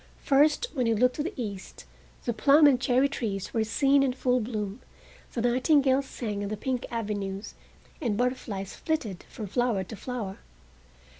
First, when he looked to the east, the plum and cherry trees were seen in full bloom, the nightingales sang in the pink avenues, and butterflies flitted from flower to flower.